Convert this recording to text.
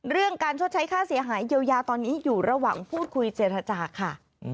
เรื่องการชดใช้ค่าเสียหายเยียวยาตอนนี้อยู่ระหว่างพูดคุยเจรจาค่ะ